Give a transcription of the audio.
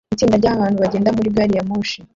Itsinda ryabantu bagenda muri gari ya moshi